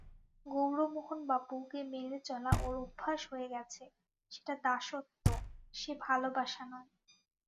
গৌরমোহনবাবুকে মেনে চলা ওঁর অভ্যাস হয়ে গেছে–সেটা দাসত্ব, সে ভালোবাসা নয়।